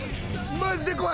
マジで怖い！